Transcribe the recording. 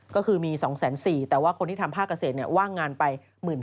ก็คือมี๒๔๐๐แต่ว่าคนที่ทำภาคเกษตรว่างงานไป๑๘๐